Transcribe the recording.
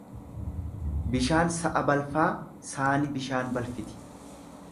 Bishaan sa'a balfaa saani bishaan balfiti.